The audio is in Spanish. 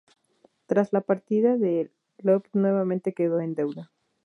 Tras la partida de Llop nuevamente quedó en deuda.